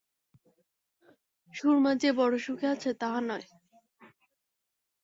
সুরমা যে বড়ো সুখে আছে তাহা নয়।